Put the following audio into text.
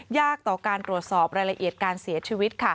ต่อการตรวจสอบรายละเอียดการเสียชีวิต